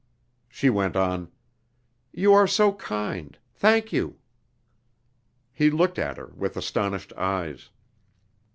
She went on: "You are so kind. Thank you." (He looked at her with astonished eyes.)